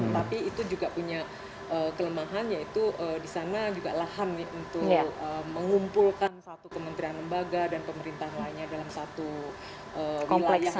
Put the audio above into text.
tapi itu juga punya kelemahan yaitu di sana juga lahan untuk mengumpulkan satu kementerian lembaga dan pemerintahan lainnya dalam satu wilayah